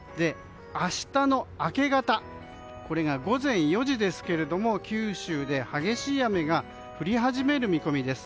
明日の明け方午前４時九州で激しい雨が降り始める見込みです。